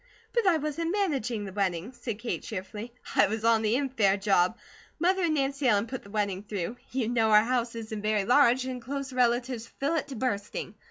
"But I wasn't managing the wedding," said Kate cheerfully. "I was on the infare job. Mother and Nancy Ellen put the wedding through. You know our house isn't very large, and close relatives fill it to bursting.